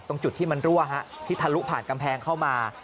ตรงจุดที่มันรั่วที่ทะลุผ่านกำแพงเข้ามา